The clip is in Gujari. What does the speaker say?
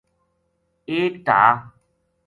ایک ڈھا